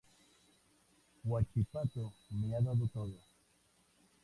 Huachipato me ha dado todo.